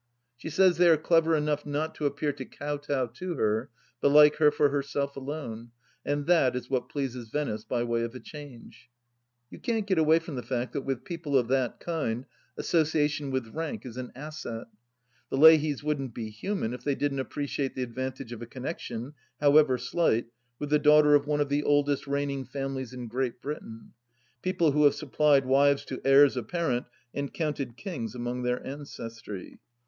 She says they are clever enough not to appear to kow tow to her, but like her for herself alone, and that is what pleases Venice, by way of a change. You can't get away from the fact that with people of that kind association with rank is an asset ; the Leahys wouldn't be human if they didn't appreciate the advantage of a connection, however slight, with the daughter of one of the oldest reigning families in Great Britain : people who have supplied wives to heirs apparent and counted kings among their ancestry.